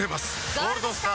「ゴールドスター」！